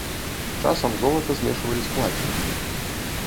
Часам золата змешвалі з плацінай.